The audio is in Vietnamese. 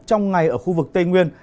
trong ngày ở khu vực tây nguyên